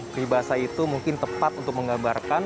pribahasa itu mungkin tepat untuk menggambarkan